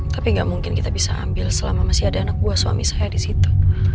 tapi nggak mungkin kita bisa ambil selama masih ada anak buah suami saya di situ